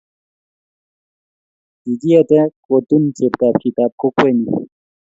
Kikiete kotun cheptab chitab kokwenyu